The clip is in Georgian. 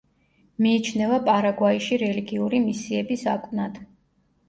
მიიჩნევა პარაგვაიში რელიგიური მისიების აკვნად.